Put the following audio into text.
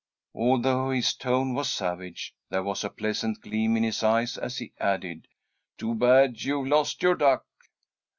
Although his tone was savage, there was a pleasant gleam in his eyes as he added: "Too bad you've lost your duck."